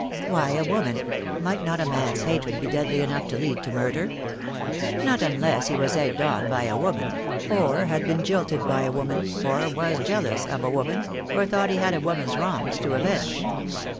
"Why a woman? Might not a man's hatred be deadly enough to lead to murder?" THE DAY WILL COME. I 7 Q "Not unless he was egged on by a woman; or had been jilted by a woman; or was jealous of a woman; or thought he had a woman's wrongs to avenge."